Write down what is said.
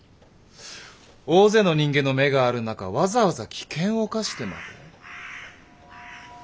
大勢の人間の目がある中わざわざ危険を冒してまで？